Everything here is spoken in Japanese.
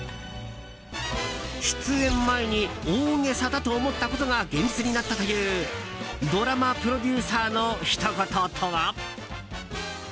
出演前に大げさだと思ったことが現実になったというドラマプロデューサーのひと言とは？